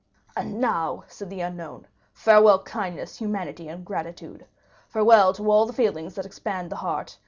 "And now," said the unknown, "farewell kindness, humanity, and gratitude! Farewell to all the feelings that expand the heart!